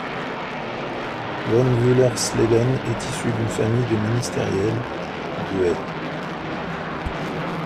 Von Wüllersleben est issu d'une famille de ministériels de l'.